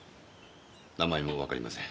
名前もわかりません。